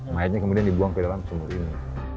mayatnya kemudian dibuang ke dalam sumur ini